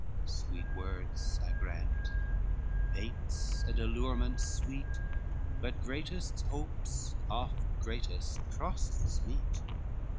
Sweet words I grant, baits and allurements sweet, But greatest hopes oft greatest crosses meet.